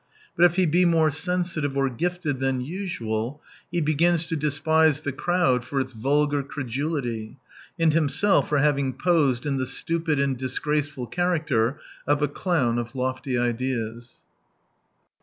But if he be more sensitive or gifted than usual, he begins to despise the crowd for its vulgar credulity, and himsdf for having posed in the stupid and disgraceful character of axlown of lofty ideas.